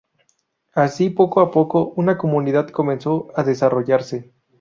Así poco a poco una comunidad comenzó a desarrollarse.